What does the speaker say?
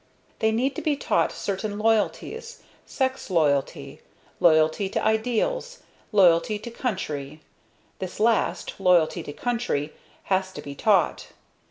They need to be taught certain loyalties, sex loyalty. Loyalty to ideals. Loyalty to country. This last, loyalty to country, has to be taught.